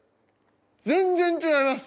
全然違います。